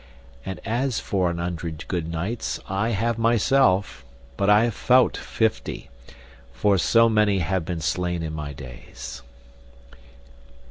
And as for an hundred good knights I have myself, but I faute fifty, for so many have been slain in my days.